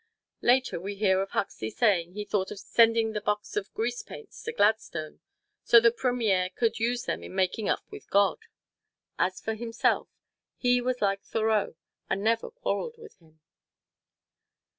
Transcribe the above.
Later, we hear of Huxley saying he thought of sending the box of grease paints to Gladstone, so the Premier could use them in making up with God; as for himself, he was like Thoreau and had never quarreled with Him.